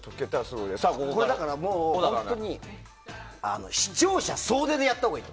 だから本当に視聴者総出でやったほうがいい。